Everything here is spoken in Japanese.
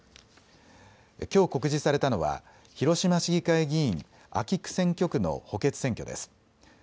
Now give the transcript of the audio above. きょう告示されたのは広島市議会議員安芸区選挙区の補欠選挙です。